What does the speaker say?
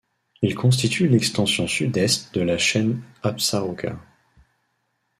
Ils constituent l'extension sud-est de la chaîne Absaroka.